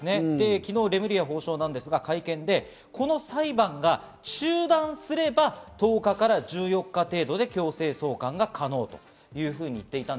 昨日、レムリヤ法相ですが会見で、この裁判が中断すれば１０日から１４日程度で強制送還が可能というふうに言っていました。